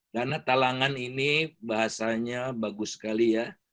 dana talangan ini bahasanya bagus sekali ya